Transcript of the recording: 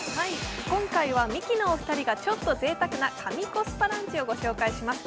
今回はミキのお二人がちょっとぜいたくな神コスパランチをご紹介します。